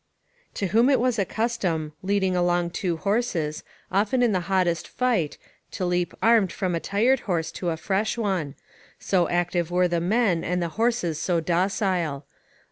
["To whom it was a custom, leading along two horses, often in the hottest fight, to leap armed from a tired horse to a fresh one; so active were the men, and the horses so docile."